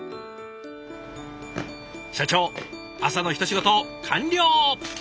社長朝の一仕事完了。